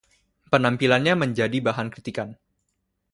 Penampilannya menjadi bahan kritikan.